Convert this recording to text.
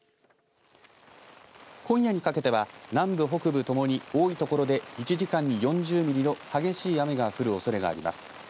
今夜にかけては南部、北部ともに多いところで１時間に４０ミリの激しい雨が降るおそれがあります。